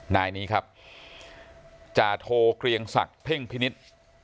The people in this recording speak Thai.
นายนี้ครับจาโทเกลียงศักดิ์เพ่งพินิษฐ์